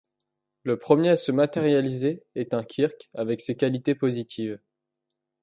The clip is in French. Le premier à se matérialiser est un Kirk avec ses qualités positives.